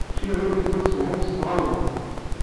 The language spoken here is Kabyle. Ččiɣ imekli n tṣebḥit s tɣawla.